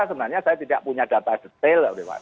sebenarnya saya tidak punya data detail yaudah pak